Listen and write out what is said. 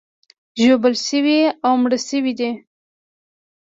ژوبل شوي او مړه شوي دي.